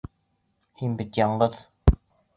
Һин бит яңғыҙ.